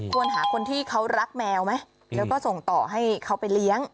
ควรหาคนที่เขารักแมวไหมแล้วก็ส่งต่อให้เขาไปเลี้ยง